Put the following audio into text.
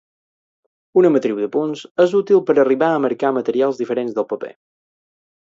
Una matriu de punts és útil per arribar a marcar materials diferents del paper.